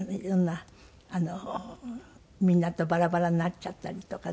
みんなとバラバラになっちゃったりとかね。